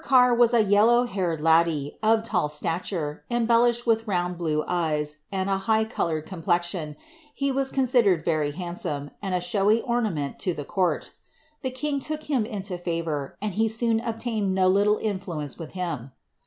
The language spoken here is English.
32^ Carr was a yellow haired laddie, of tall stature, embellished with round blue eyes, and a high coloured complexion, he was considered very handsame, and a showy ornament to the court. The king took him into favour, and he soon obtained no little influence with him.